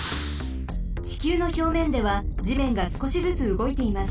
ちきゅうのひょうめんではじめんがすこしずつうごいています。